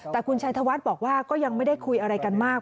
แต่คุณชัยธวัฒน์บอกว่าก็ยังไม่ได้คุยอะไรกันมาก